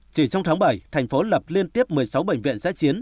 chỉ trong tháng bảy thành phố lập liên tiếp một mươi sáu bệnh viện giã chiến